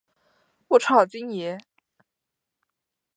我超，京爷